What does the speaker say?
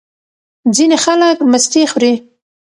ځینې خلک مستې خوري.